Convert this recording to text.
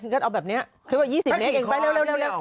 ก็เอาแบบนี้คิดว่า๒๐เมตรเองไปเร็ว